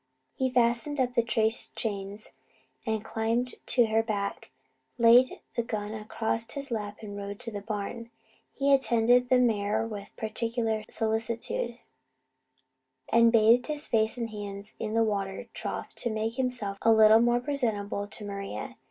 He fastened up the trace chains, and climbing to her back, laid the gun across his lap and rode to the barn. He attended the mare with particular solicitude, and bathed his face and hands in the water trough to make himself a little more presentable to Maria.